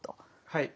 はい。